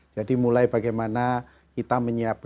jadi mulai bagaimana kita menyiapkan sesuatu